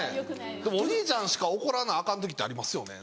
でもお兄ちゃんしか怒らなアカン時ってありますよね。